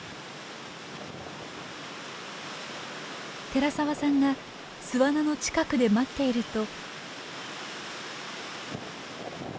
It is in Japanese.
寺沢さんが巣穴の近くで待っていると。